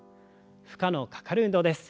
負荷のかかる運動です。